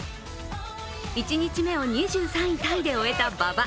１日目を２３位タイで終えた馬場。